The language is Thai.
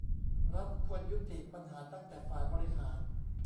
รัฐควรยุติปัญหาตั้งแต่ฝ่ายบริหาร